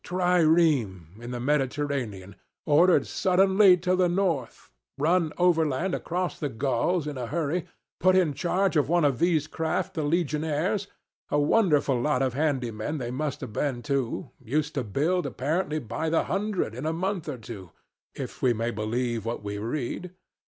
trireme in the Mediterranean, ordered suddenly to the north; run overland across the Gauls in a hurry; put in charge of one of these craft the legionaries, a wonderful lot of handy men they must have been too used to build, apparently by the hundred, in a month or two, if we may believe what we read.